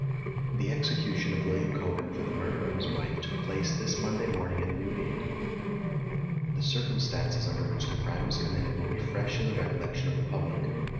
The execution of William Cogan for the murder of his wife took place this (Monday) morning at Newgate. The circumstances under which the crime was committed will be fresh in the recollection of the public.